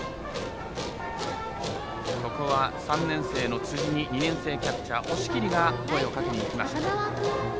３年生の辻に２年生キャッチャー押切が声をかけにいきました。